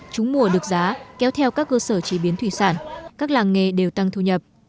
trúng mùa được giá kéo theo các cơ sở chế biến thủy sản các làng nghề đều tăng thu nhập